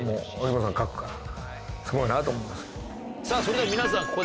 さぁそれでは皆さん